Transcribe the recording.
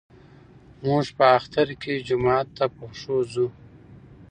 موږ په اختر کې جومات ته په پښو ځو.